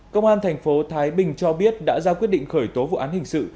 công an thành phố thái bình cho biết đã ra quyết định khởi tố vụ án hình sự